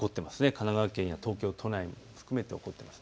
神奈川県や東京都内含めて起こっています。